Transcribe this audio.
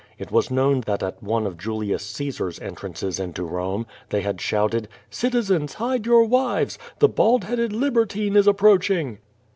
It was known that at one of Julius Caesar^s entrances into Home, they had shouted, "Citizens, hide your wives, the baldlieaded libertine is approaching.'